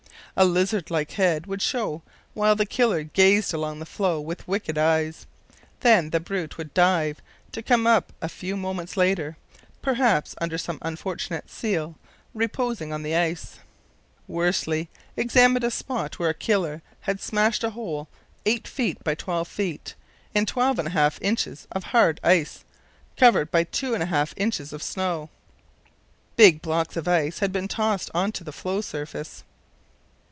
A lizard like head would show while the killer gazed along the floe with wicked eyes. Then the brute would dive, to come up a few moments later, perhaps, under some unfortunate seal reposing on the ice. Worsley examined a spot where a killer had smashed a hole 8 ft. by 12 ft. in 12½ in. of hard ice, covered by 2½ in. of snow. Big blocks of ice had been tossed on to the floe surface.